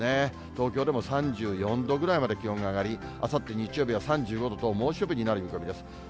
東京でも３４度ぐらいまで気温が上がり、あさって日曜日は３５度と、猛暑日になる見込みです。